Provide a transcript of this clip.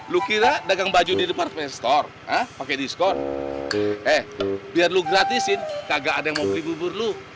lu kira dagang baju di department store pakai diskon eh biar lu gratisin kagak ada yang mau beli gugur lu